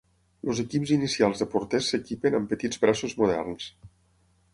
Els equips inicials de porters s'equipen amb petits braços moderns.